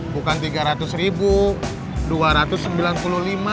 bukan tiga ratus ribu